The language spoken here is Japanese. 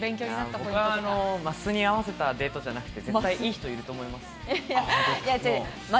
マスに合わせたデートじゃなくて、絶対いい人いると思います。